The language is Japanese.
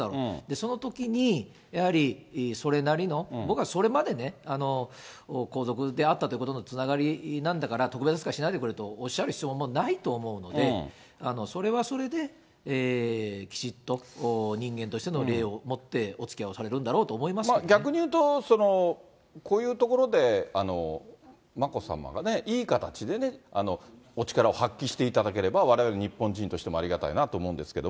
そのときに、やはり、それなりの僕はそれまでね、皇族であったということのつながりなんだから、特別扱いしないでくれとおっしゃる必要もないと思うので、それはそれで、きちっと人間としての礼をもっておつきあいをされるんだろうと思逆に言うと、こういうところで眞子さまがいい形でお力を発揮していただければ、われわれ日本人としてもありがたいなと思うんですけど。